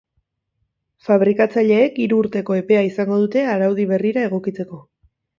Fabrikatzaileek hiru urteko epea izango dute araudi berrira egokitzeko.